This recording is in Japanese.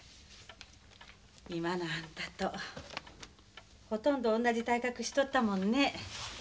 今のあんたとほとんど同じ体格しとったもんね。